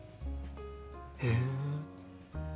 へえ！